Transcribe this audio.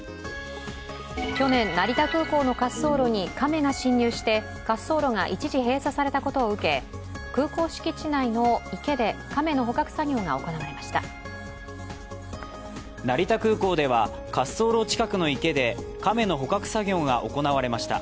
去年、成田空港の滑走路に亀が侵入して、滑走路が一時閉鎖されたことを受け、空港敷地内の池で亀の捕獲作業が行われました。